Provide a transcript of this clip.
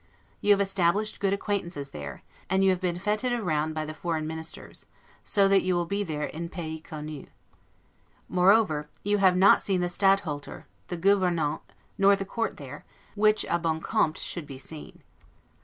You have established good acquaintances there, and you have been 'fetoie' round by the foreign ministers; so that you will be there 'en pais connu'. Moreover, you have not seen the Stadtholder, the 'Gouvernante', nor the court there, which 'a bon compte' should be seen.